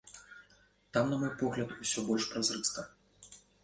Там, на мой погляд, усё больш празрыста.